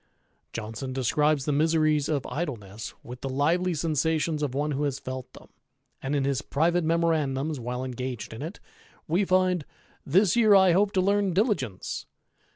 . Johnson describes the miseries of idleness, with the ^^ly sensations of one who has felt them ; and in his private memo ^^dums while engaged in it, we find, 'This year I hope to learn ^^tgence.